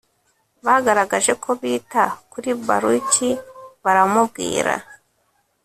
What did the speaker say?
bagaragaje ko bita kuri Baruki baramubwira